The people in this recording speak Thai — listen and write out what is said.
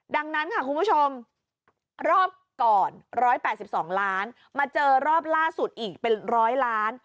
ดังนั้นค่ะคุณผู้ชมรอบก่อน๑๘๒ล้านมาเจอรอบล่าสุดอีกเป็น๑๐๐ล้าน